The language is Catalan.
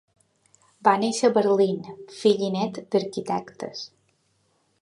Va néixer a Berlín, fill i nét d'arquitectes.